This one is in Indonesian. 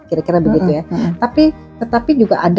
kira kira begitu ya tapi